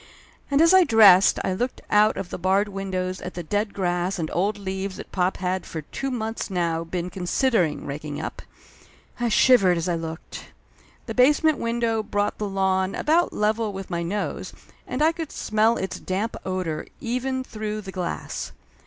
And as I dressed I looked out of the barred window at the dead grass and old leaves that pop had for two months now been con sidering raking up. I shivered as I looked. The base ment window brought the lawn about level with my nose and I could smell its damp odor even through the glass.